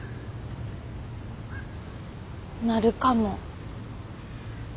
なるかも。